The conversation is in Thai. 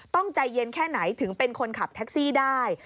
ใจเย็นแค่ไหนถึงเป็นคนขับแท็กซี่ได้